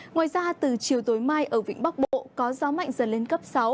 ngoài ra từ chiều tối mai ở vĩnh bắc bộ có gió mạnh dần lên cấp sáu